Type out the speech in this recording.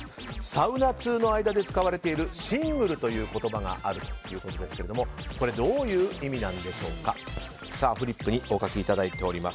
サウナ通の間で使われているシングルという言葉があるということですがどういう意味なんでしょうか。